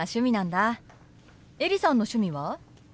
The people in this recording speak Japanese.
エリさんの趣味は？